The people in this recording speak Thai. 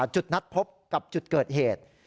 จุดนัดพบกับจุดเกิดเหตุ